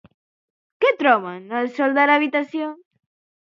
Què troben al sòl de l'habitació?